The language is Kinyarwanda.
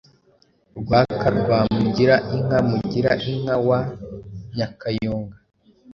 Rwaka rwa Mugira inka, Mugira inka wa Nyakayonga